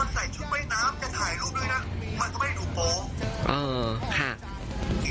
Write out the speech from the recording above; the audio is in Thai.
คนใส่ชุดไม้น้ำจะถ่ายรูปด้วยนะมันก็ไม่ได้ถูกโปร่ง